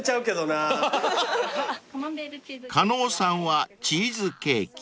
［加納さんはチーズケーキ］